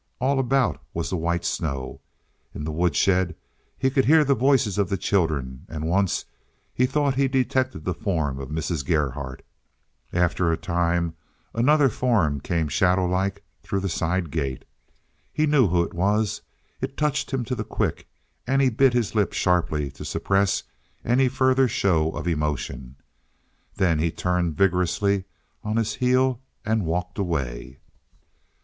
All about was the white snow. In the woodshed he could hear the voices of the children, and once he thought he detected the form of Mrs. Gerhardt. After a time another form came shadow like through the side gate. He knew who it was. It touched him to the quick, and he bit his lip sharply to suppress any further show of emotion. Then he turned vigorously on his heel and walked away.